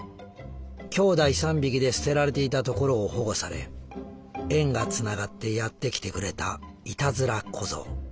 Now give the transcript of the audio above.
きょうだい３匹で捨てられていたところを保護され縁がつながってやって来てくれたいたずら小僧。